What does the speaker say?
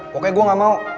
pokoknya gue gak mau